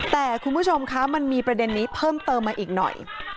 แต่คุณผู้ชมคะมันมีประเด็นนี้เพิ่มเติมมาอีกหน่อย